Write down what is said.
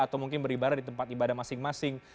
atau mungkin beribadah di tempat ibadah masing masing